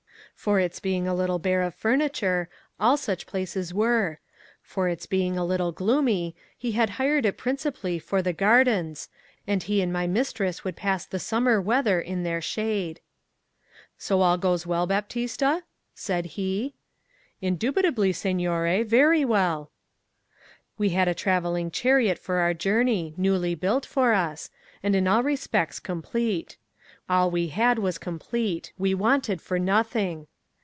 For its being a little bare of furniture, all such places were. For its being a little gloomy, he had hired it principally for the gardens, and he and my mistress would pass the summer weather in their shade. 'So all goes well, Baptista?' said he. 'Indubitably, signore; very well.' We had a travelling chariot for our journey, newly built for us, and in all respects complete. All we had was complete; we wanted for nothing.